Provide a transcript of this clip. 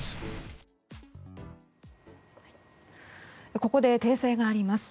ここで訂正があります。